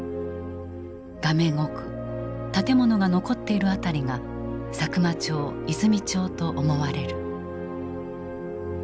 画面奥建物が残っている辺りが佐久間町・和泉町と思われる。